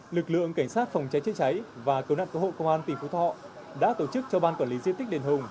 lực lượng cảnh sát phòng cháy chữa cháy và cơ nạn cơ hội công an tỉnh phú thọ đã tổ chức cho ban quản lý diện tích đền hùng